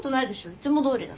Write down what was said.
いつもどおり。